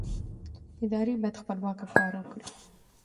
ادارې باید خپلواکه کار وکړي